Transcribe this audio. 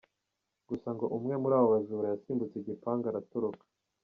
Gusa ngo umwe muri abo bajura yasimbutse igipangu aratoroka.